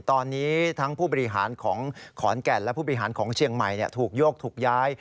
ตอนนี้ทั้งผู้บริหารของขอนแก่นและผู้บริหารของเชียงใหม่ถูกโยกถูกย้าย